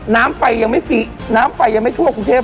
น้ำไฟยังไม่ฟรีน้ำไฟยังไม่ทั่วกรุงเทพ